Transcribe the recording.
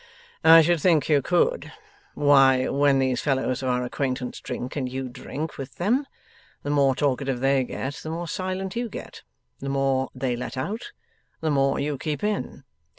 'I should think you could! Why, when these fellows of our acquaintance drink and you drink with them, the more talkative they get, the more silent you get. The more they let out, the more you keep in.